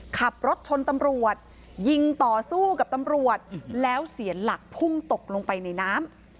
ขับรถชนตำรวจยิงต่อสู้กับตำรวจแล้วเสียหลักพุ่งตกลงไปในน้ำ